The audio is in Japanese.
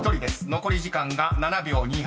残り時間が７秒２８］